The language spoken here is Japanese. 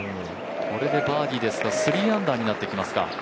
これでバーディーですから、３アンダーになってきますか。